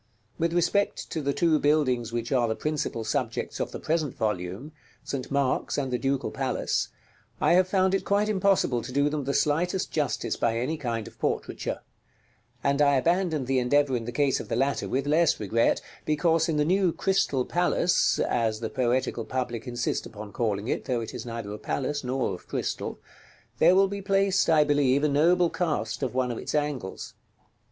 With respect to the two buildings which are the principal subjects of the present volume, St. Mark's and the Ducal Palace, I have found it quite impossible to do them the slightest justice by any kind of portraiture; and I abandoned the endeavor in the case of the latter with less regret, because in the new Crystal Palace (as the poetical public insist upon calling it, though it is neither a palace, nor of crystal) there will be placed, I believe, a noble cast of one of its angles.